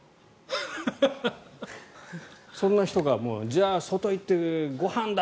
そんな人が外に行ってご飯だ！